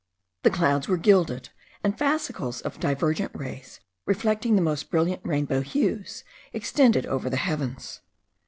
The clouds were gilded; and fascicles of divergent rays, reflecting the most brilliant rainbow hues, extended over the heavens.